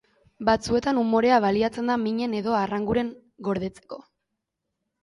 Batzuetan umorea baliatzen da minen edo arranguren gordetzeko.